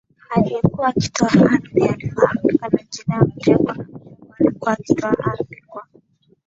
aliyekuwa akitoa ardhi alifahamika kwa jina la Mteko Na mteko alikuwa akitoa ardhi kwa